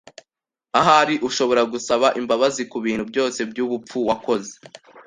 Ahari ushobora gusaba imbabazi kubintu byose byubupfu wakoze.